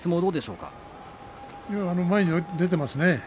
よく前に出ていますね。